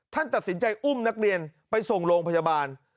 ท่านตัดสินใจอุ้มนักเรียนไปส่งโรงพยาบาล